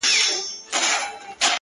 پايزېب به دركړمه د سترگو توره ـ